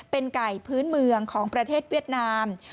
เป็นไก่พื้นเมืองของประเทศเวียดนาม